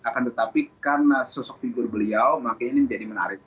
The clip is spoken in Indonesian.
karena sosok figur beliau makanya ini menjadi menarik